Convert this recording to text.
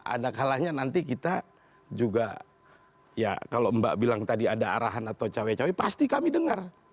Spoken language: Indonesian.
ada kalanya nanti kita juga ya kalau mbak bilang tadi ada arahan atau cawe cawe pasti kami dengar